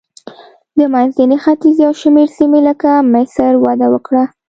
د منځني ختیځ یو شمېر سیمې لکه مصر وده وکړه.